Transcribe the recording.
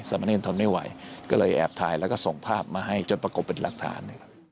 สามเณรทนไม่ไหวก็เลยแอบถ่ายแล้วก็ส่งภาพมาให้จนประกบเป็นหลักฐาน